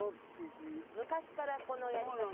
昔からこのやり方？